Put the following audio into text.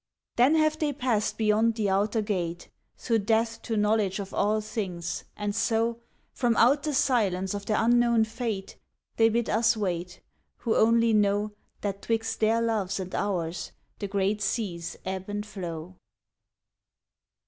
Then have they passed beyond the outer gate Through death to knowledge of all things, and so From out the silence of their unknown fate They bid us wait, Who only know That twixt their loves and ours the great seas ebb and flow.